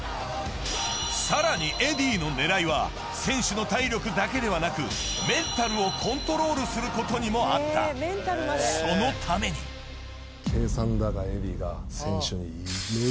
さらにエディーの狙いは選手の体力だけではなくメンタルをコントロールすることにもあったそのために選手に。